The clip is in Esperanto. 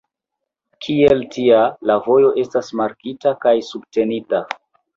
Kiel tia, la vojo estas markita kaj subtenita.